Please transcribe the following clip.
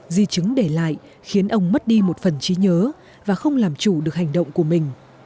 di chứng để lại khiến ông mất đi một phần trí nhớ và không làm chủ được hành động của mình